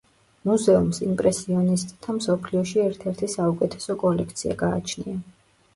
მუზეუმს იმპრესიონისტთა მსოფლიოში ერთ-ერთი საუკეთესო კოლექცია გააჩნია.